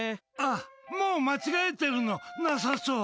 あ、もう間違えてるのなさそう。